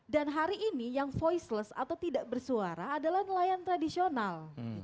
dan hari ini yang voiceless atau tidak bersuara adalah nelayan tradisional